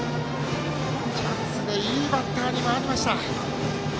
チャンスでいいバッターに回りました。